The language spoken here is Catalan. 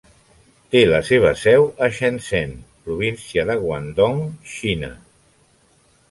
Té la seva seu a Shenzhen, província de Guangdong, Xina.